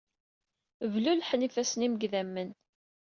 Blulḥen ifassen-im seg idammen.